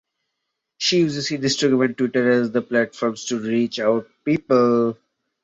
She uses Instagram and Twitter as the platforms to reach out to people.